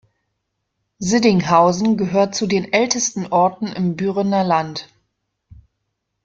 Siddinghausen gehört zu den ältesten Orten im Bürener Land.